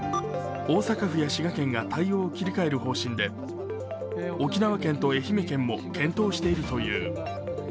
大阪府や滋賀県が対応を切り替える方針で、沖縄県と愛媛県も検討しているという。